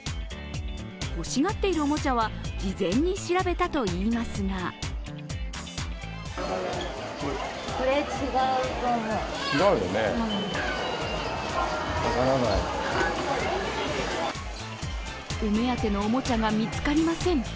欲しがっているおもちゃは事前に調べたといいますがお目当てのおもちゃが見つかりません。